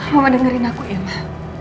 mau dengerin aku ya ma